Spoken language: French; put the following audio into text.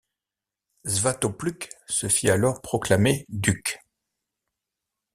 Svatopluk se fit alors proclamer duc.